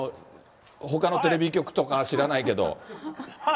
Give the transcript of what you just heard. ほかのテレビ局とかは知らないけど。